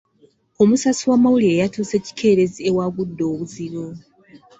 Omusasi w'amawulire yatuuse kikeerezi ewaagudde obuzibu.